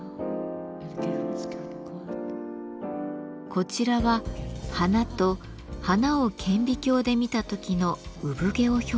こちらは花と花を顕微鏡で見た時の産毛を表現しています。